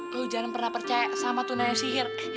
lu jangan pernah percaya sama tunanya sihir